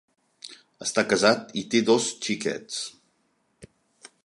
Està casat i té dos xiquets.